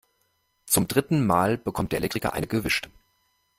Zum dritten Mal bekommt der Elektriker eine gewischt.